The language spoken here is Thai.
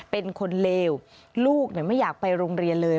เป็นคนเลวลูกไม่อยากไปโรงเรียนเลย